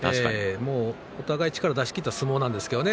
お互い、力を出しきった相撲なんですね。